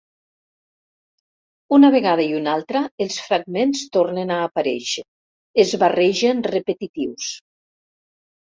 Una vegada i una altra els fragments tornen a aparèixer, es barregen repetitius.